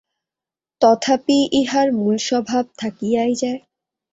তথাপি ইহার মূল স্বভাব থাকিয়াই যায়।